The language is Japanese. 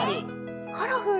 カラフル！